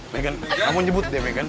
megan kamu nyebut deh megan